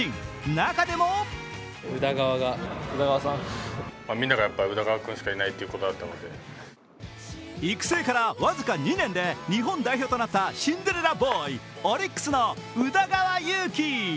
中でも育成から僅か２年で日本代表となったシンデレラボーイ、オリックスの宇田川優希。